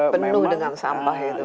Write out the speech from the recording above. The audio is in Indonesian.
penuh dengan sampah itu